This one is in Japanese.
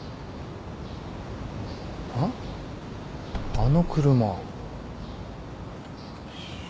あの車。